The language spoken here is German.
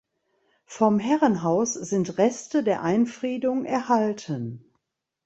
Vom Herrenhaus sind Reste der Einfriedung erhalten.